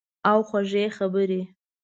او خوږې خبرې